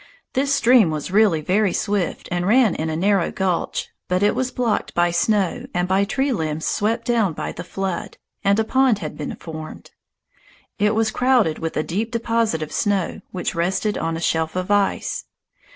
This stream was really very swift, and ran in a narrow gulch, but it was blocked by snow and by tree limbs swept down by the flood, and a pond had been formed. It was crowded with a deep deposit of snow which rested on a shelf of ice.